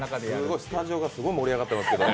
スタジオがすごい盛り上がってますけどね。